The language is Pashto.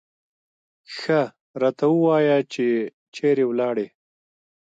ښه راته ووایه چې چېرې ولاړې.